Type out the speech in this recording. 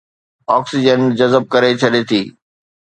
oxygen جذب ڪري ڇڏي ٿي